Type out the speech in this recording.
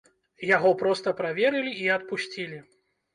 Яго проста праверылі і адпусцілі.